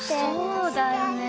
そうだよね。